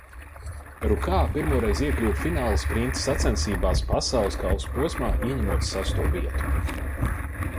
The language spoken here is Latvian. Rukā pirmoreiz iekļuva finālā sprinta sacensībās Pasaules kausa posmā, ieņemot sesto vietu.